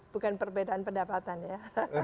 bukan perbedaan pendapatan ya